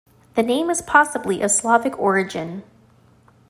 The name is possibly of Slavic origin.